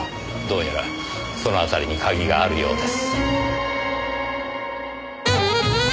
どうやらその辺りに鍵があるようです。